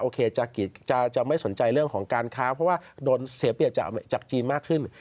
จะไม่สนใจเรื่องของการค้าเพราะว่าโดนเสียเปรียบจากจีนมากขึ้น